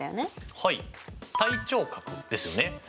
はい対頂角ですよね。